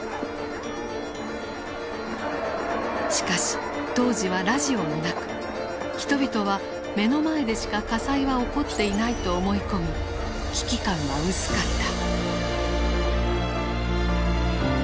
しかし当時はラジオもなく人々は目の前でしか火災は起こっていないと思い込み危機感は薄かった。